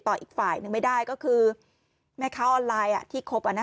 ต่ออีกฝ่ายนึงไม่ได้ก็คือแม่ค้าออนไลน์อ่ะที่ครบอ่ะนะ